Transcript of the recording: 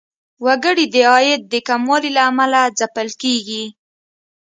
وګړي د عاید د کموالي له امله ځپل کیږي.